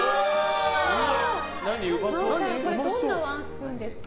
これはどんなワンスプーンですか？